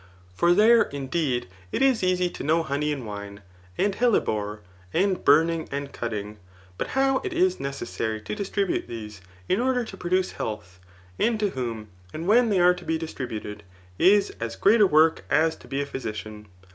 For there, indeed, it is easy to know honey and wine, and hellebore, and burning and cutting ; but how it is necessary to distri bute ihese, in order to produce health, and to whom, and when they are to be distributed, is as great a work as to be a physician.